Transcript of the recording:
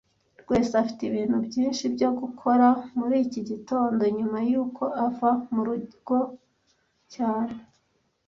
Rwesa afite ibintu byinshi byo gukora muri iki gitondo nyuma yuko ava mu rugo cyane